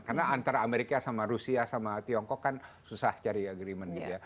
karena amerika sama rusia sama tiongkok kan susah cari agreement